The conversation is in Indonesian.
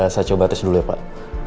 saya coba tes dulu ya pak